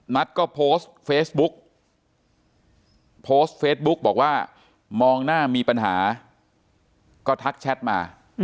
นัทก็โพสต์เฟซบุ๊กโพสต์เฟซบุ๊กบอกว่ามองหน้ามีปัญหาก็ทักแชทมา